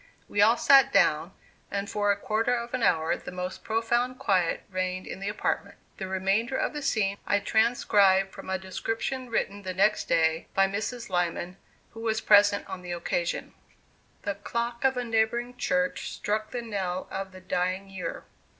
We all sat down, and for a quarter of an hour the most profound quiet reigned in the apartment. The remainder of the scene I transcribe from a description written the next day by Mrs. Lyman, who was present on the occasion: "The clock of a neighboring church struck the knell of the dying year.